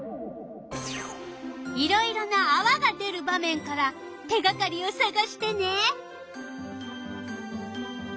いろいろなあわが出る場面から手がかりをさがしてね。